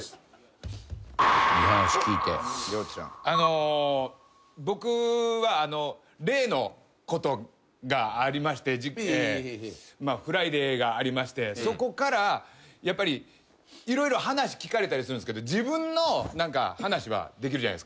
あの僕は例のことがありまして『ＦＲＩＤＡＹ』がありましてそこからやっぱり色々話聞かれたりするんすけど自分の話はできる。